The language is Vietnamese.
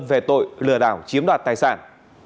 về tội lừa đảo chiếm đoạt tài sản